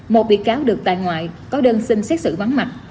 một bị cáo được tại ngoại có đơn xin xét xử vắng mặt